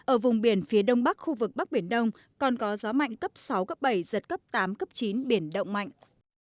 ở vùng biển phía đông bắc khu vực bắc biển đông còn có gió mạnh cấp sáu cấp bảy giật cấp tám cấp chín biển động mạnh